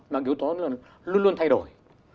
mà ưu tố luôn luôn thay đổi